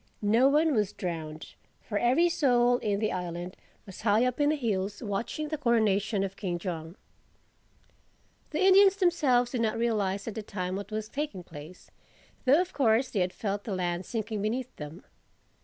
No one was drowned; for every soul in the island was high up in the hills watching the coronation of King Jong. The Indians themselves did not realize at the time what was taking place, though of course they had felt the land sinking beneath them.